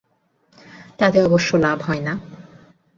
তাতে অবশ্য লাভ হয় না।